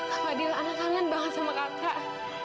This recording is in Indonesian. kak fadil ana kangen banget sama kakak